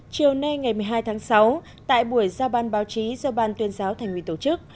chiều nay ngày một mươi hai tháng sáu tại buổi giao ban báo chí do ban tuyên giáo thành ủy tổ chức